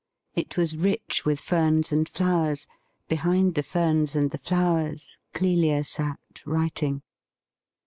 It was rich with ferns and flowers ; behind the ferns and the flowers Clelia sat writing.